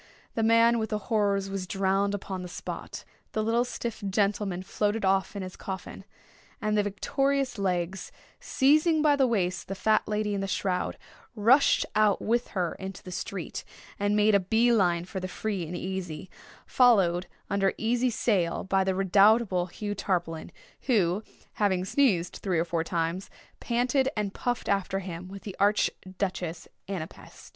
The man with the horrors was drowned upon the spot—the little stiff gentleman floated off in his coffin—and the victorious Legs, seizing by the waist the fat lady in the shroud, rushed out with her into the street, and made a bee line for the Free and Easy, followed under easy sail by the redoubtable Hugh Tarpaulin, who, having sneezed three or four times, panted and puffed after him with the Arch Duchess Ana Pest.